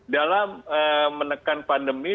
dalam menekan pandemi